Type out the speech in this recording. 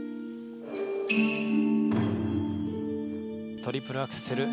トリプルアクセル